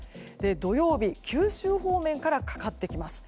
土曜日九州方面からかかってきます。